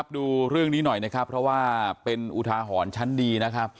ดูเรื่องนี้หน่อยนะครับเพราะว่าเป็นอุทาหรณ์ชั้นดีนะครับ